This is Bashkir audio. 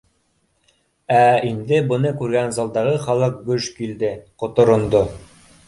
Ә инде быны күргән залдағы халыҡ гөж килде, ҡоторондо